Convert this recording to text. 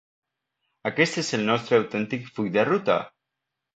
Aquest és el nostre autèntic full de ruta.